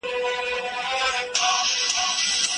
له بیوزلو سره مرسته کول انساني دنده ده.